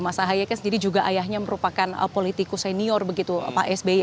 mas ahaye kan sendiri juga ayahnya merupakan politikus senior begitu pak sby